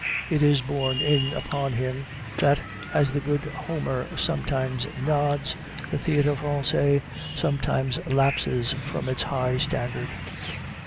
It is borne in upon him that, as the good Homer sometimes nods, the Théâtre Français sometimes lapses from its high standard.